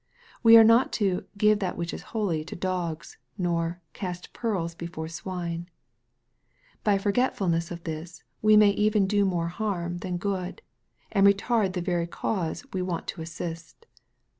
We are not to " give that which is holy to dogs," nor " cast pearls before swine." By forgetful ness of this we may even do more harm than good, and retard the very cause we want to assist.